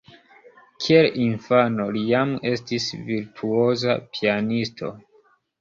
Kiel infano, li jam estis virtuoza pianisto.